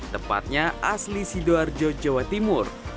tepatnya asli sidoarjo jawa timur